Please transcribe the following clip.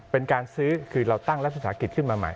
เป็นการซื้อคือเราตั้งรัฐศึกษากิจขึ้นมาใหม่